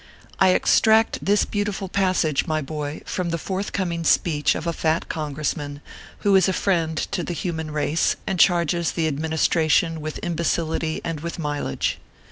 I extract this beautiful passage, my boy, from the forthcoming speech of a fat Congressman, who is a friend to the human race, and charges the Adminis tration with imbecility and with mileage.